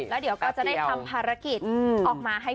เลยจะได้ทำภารกิจออกมาให้